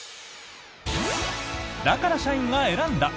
だから社員が選んだ！